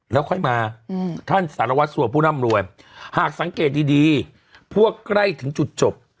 แล้วค่อยมาท่านสารวัสสัวผู้ร่ำรวยหากสังเกตดีพวกใกล้ถึงจุดจบ